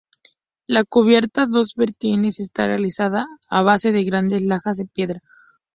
La cubierta a dos vertientes está realizada a base de grandes lajas de piedra.